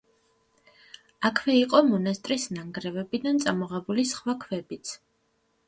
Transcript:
აქვე იყო მონასტრის ნანგრევებიდან წამოღებული სხვა ქვებიც.